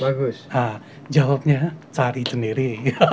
nah jawabnya cari sendiri